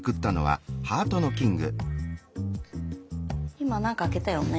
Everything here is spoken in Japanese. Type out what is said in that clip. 今なんか開けたよね。